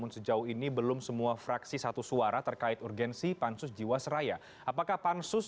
soal perlu atau tidaknya pansus